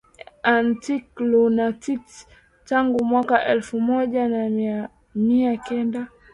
antic lunatics tangu mwaka elfu moja mia kenda